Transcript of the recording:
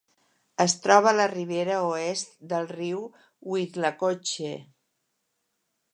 Es troba a la ribera oest del riu Withlacoochee.